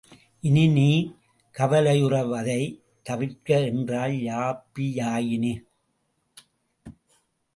இனி நீ கவலையுறுவதைத் தவிர்க என்றாள் யாப்பியாயினி.